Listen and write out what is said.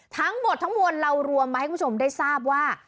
ทั้งหมดทั้งมวลเรารวมมาให้คุณผู้ชมได้ทราบว่า